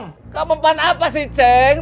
nggak mempan apa sih cek